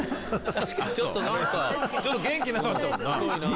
確かにちょっと何かちょっと何か元気なかったもん